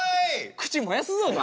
口燃やすぞお前。